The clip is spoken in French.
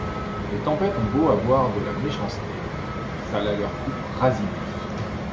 Les tempêtes ont beau avoir de la méchanceté, ça la leur coupe rasibus.